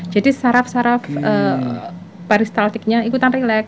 jadi saraf saraf paristaltiknya ikutan rilek